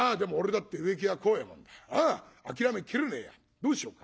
どうしようか。